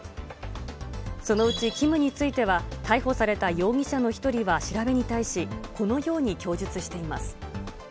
そのうちＫＩＭについては、逮捕された容疑者の１人は調べに対し、このように供述しています。